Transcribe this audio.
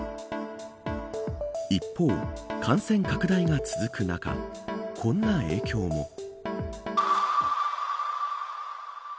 一方、感染拡大が続く中こんな影響も。